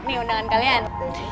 nih undangan kalian